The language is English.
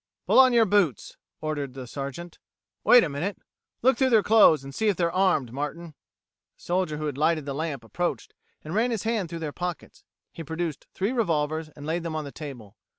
"Pull on your boots," ordered the Sergeant. "Wait a minute! Look through their clothes and see if they're armed, Martin." The soldier who had lighted the lamp approached, and ran his hands through their pockets. He produced three revolvers and laid them on the table.